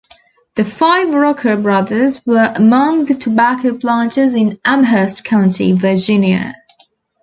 The five Rucker brothers were among the tobacco planters in Amherst County, Virginia.